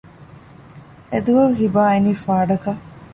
އެދުވަހު ހިބާ އިނީ ފާޑަކަށް